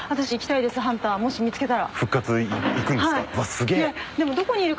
すげえ。